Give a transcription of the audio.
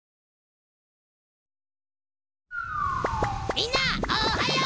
みんなおはよう！